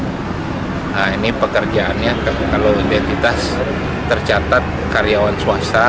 nah ini pekerjaannya kalau identitas tercatat karyawan swasta